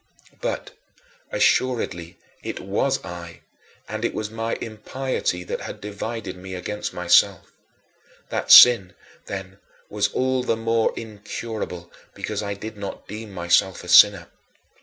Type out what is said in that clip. But, assuredly, it was I, and it was my impiety that had divided me against myself. That sin then was all the more incurable because I did not deem myself a sinner.